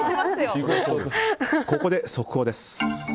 ここで、速報です。